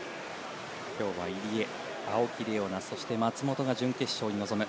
今日は入江、青木玲緒樹そして松元が準決勝に臨む。